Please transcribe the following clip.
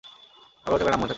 আগ্রহ থাকলে নাম মনে থাকত।